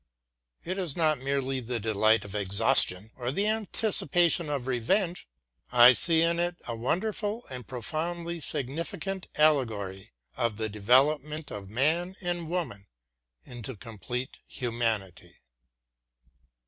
It is not merely the delight of exhaustion or the anticipation of revenge. I see in it a wonderful and profoundly significant allegory of the development of man and woman into complete humanity.